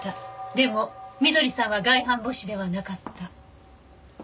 でも翠さんは外反母趾ではなかった。